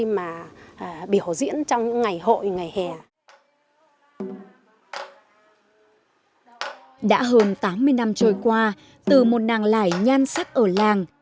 mà biểu diễn trong những ngày hội ngày hè đã hơn tám mươi năm trôi qua từ một nàng lại nhan sắc ở làng